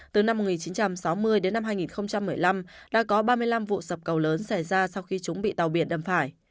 từ năm một nghìn chín trăm sáu mươi đến năm hai nghìn một mươi năm đã có ba mươi năm vụ sập cầu lớn xảy ra sau khi chúng bị tàu biển đâm phải